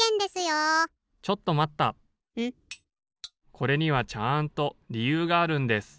・これにはちゃんとりゆうがあるんです。